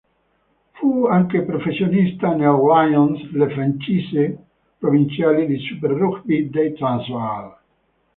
Fu anche professionista nei Lions, la "franchise" provinciale di Super Rugby del Transvaal.